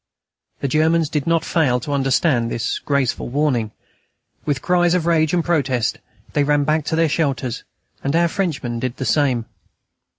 The Germans did not fail to understand this graceful warning. With cries of rage and protest, they ran back to their shelters, and our Frenchmen did the same.